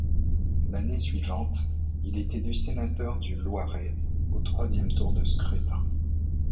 L'année suivante, il est élu Sénateur du Loiret au troisième tour de scrutin.